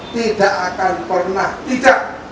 tidak akan pernah tidak